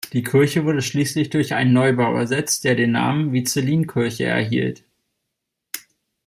Die Kirche wurde schließlich durch einen Neubau ersetzt, der den Namen Vicelinkirche erhielt.